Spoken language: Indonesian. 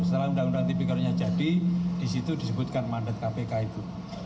setelah undang undang tipikornya jadi disitu disebutkan mandat kpk itu